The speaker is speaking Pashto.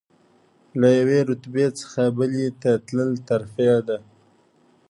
له یوې رتبې څخه بلې ته تلل ترفیع ده.